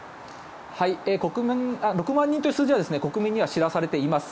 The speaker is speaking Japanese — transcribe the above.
６万人という数字は国民には知らされています。